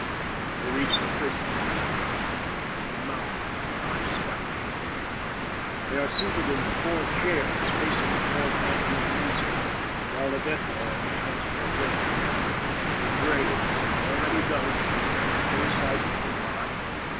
They reach the prison yard. They mount the high scaffold. They are seated in four chairs facing the four dangling nooses, while the death warrant is once more read. Their graves, already dug, are in full sight close by.